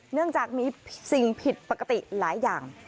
เนื่องจากมีสิ่งผิดปกติหลายอย่าง